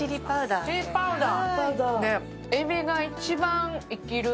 チリパウダー。